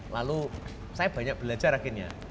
lalu saya banyak belajar akhirnya